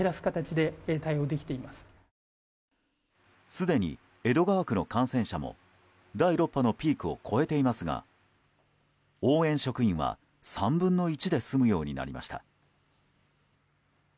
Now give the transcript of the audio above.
すでに江戸川区の感染者も第６波のピークを越えていますが応援職員は３分の１で済むようになりました。